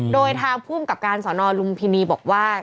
โดยทางผู้องกับการสอนรุนพินีบอกว่า